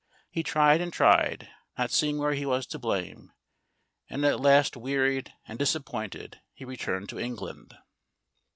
He tried and tried, not seeing where he was to blame, and at last wearied and disappointed he returned to England.